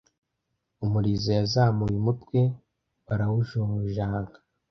umurizo yazamuye umutwe barawujojanga